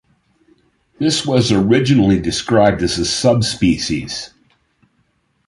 This was originally described as a subspecies.